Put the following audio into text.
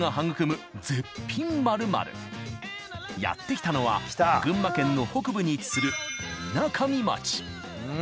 やってきたのは群馬県の北部に位置するみなかみ町。